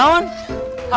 oh ini dia